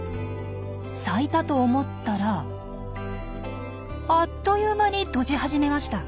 咲いたと思ったらあっという間に閉じ始めました。